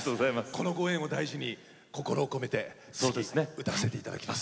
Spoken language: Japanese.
このご縁を大事に心を込めて歌わせていただきます。